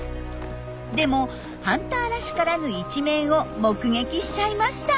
でもハンターらしからぬ一面を目撃しちゃいました。